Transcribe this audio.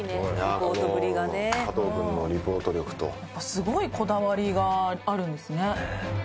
すごいこだわりがあるんですね。